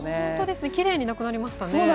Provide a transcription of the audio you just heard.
きれいになくなりましたね。